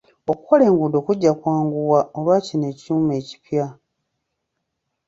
Okukola enguudo kujja kwanguwa olwa kino ekyuma ekipya.